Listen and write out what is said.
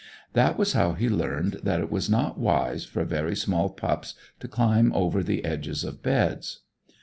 That was how he learned that it was not wise for very small pups to climb over the edges of beds.